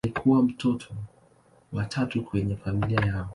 Alikuwa mtoto wa tatu kwenye familia yao.